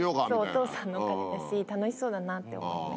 お父さんのお金だし楽しそうだなって思いました。